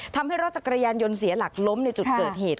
ทำให้รถจักรยานยนต์เสียหลักล้มในจุดเกิดเหตุ